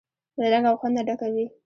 له رنګ او خوند نه ډکه وي.